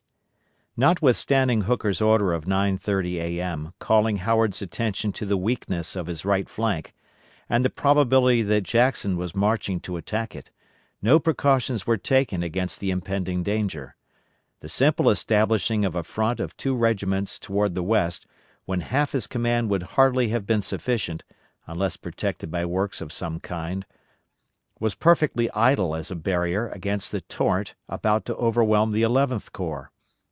Notwithstanding Hooker's order of 9.30 A.M. calling Howard's attention to the weakness of his right flank, and the probability that Jackson was marching to attack it, no precautions were taken against the impending danger. The simple establishing of a front of two regiments toward the west when half his command would hardly have been sufficient, unless protected by works of some kind, was perfectly idle as a barrier against the torrent about to overwhelm the Eleventh Corps.